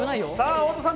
太田さん